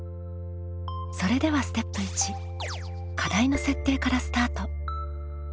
それではステップ１課題の設定からスタート。